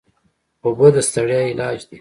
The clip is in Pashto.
اوبه د ستړیا علاج دي.